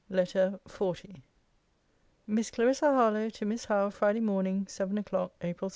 LETTER XL MISS CLARISSA HARLOWE, TO MISS HOWE FRIDAY MORNING, SEVEN O'CLOCK, APRIL 7.